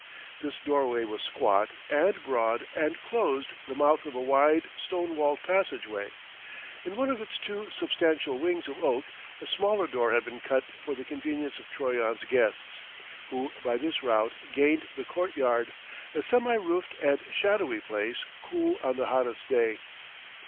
This doorway was squat and broad and closed the mouth of a wide, stone walled passageway. In one of its two substantial wings of oak a smaller door had been cut for the convenience of Troyon's guests, who by this route gained the courtyard, a semi roofed and shadowy place, cool on the hottest day.